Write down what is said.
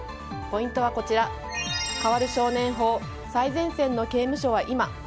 ポイントはこちら、変わる少年法最前線の刑務所は今。